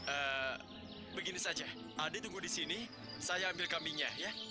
eh begini saja adik tunggu di sini saya ambil kambingnya ya